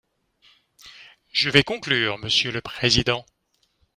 Je vais conclure, monsieur le président.